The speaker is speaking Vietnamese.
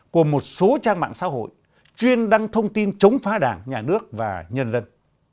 của một số trang mạng xã hội chuyên đăng thông tin chống phá đảng nhà nước và nhân dân